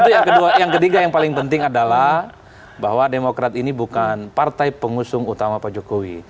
itu yang ketiga yang paling penting adalah bahwa demokrat ini bukan partai pengusung utama pak jokowi